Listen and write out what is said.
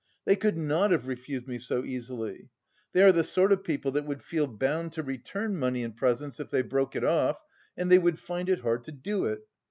They could not have refused me so easily! They are the sort of people that would feel bound to return money and presents if they broke it off; and they would find it hard to do it!